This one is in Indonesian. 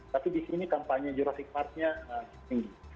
tapi di sini kampanye eurasic partnya tinggi